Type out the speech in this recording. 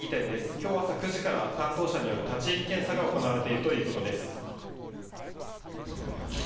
きょう朝９時から担当者による立ち入り検査が行われているということです。